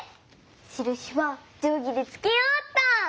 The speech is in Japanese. しるしはじょうぎでつけようっと。